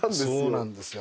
そうなんですよ